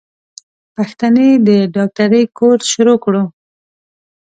پښتنې د ډاکټرۍ کورس شروع کړو.